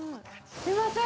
すいません。